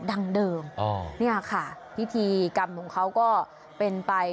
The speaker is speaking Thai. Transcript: ดังเดิมเนี่ยค่ะพิธีกรรมของเขาก็เป็นไป